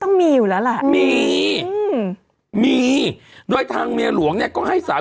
อันนี้มีคนถามทดลองงานกี่เดือน